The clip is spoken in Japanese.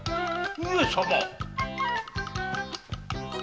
上様！？